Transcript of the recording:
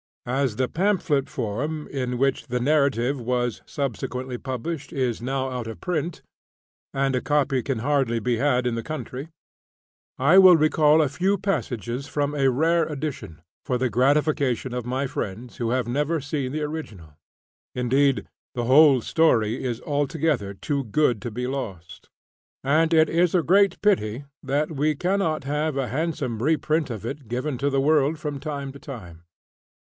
As the pamphlet form in which the narrative was subsequently published is now out of print, and a copy can hardly be had in the country, I will recall a few passages from a rare edition, for the gratification of my friends who have never seen the original. Indeed, the whole story is altogether too good to be lost; and it is a great pity that we can not have a handsome reprint of it given to the world from time to time.